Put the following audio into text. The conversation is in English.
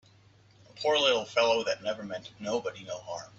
A poor little fellow that never meant nobody no harm!